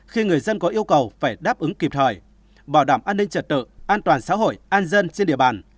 khi người dân có yêu cầu phải đáp ứng kịp thời bảo đảm an ninh trật tự an toàn xã hội an dân trên địa bàn